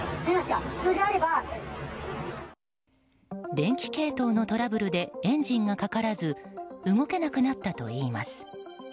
電気系統のトラブルでエンジンがかからず動けなくなったといいます。